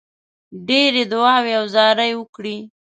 ډېرې دعاوي او زارۍ وکړې.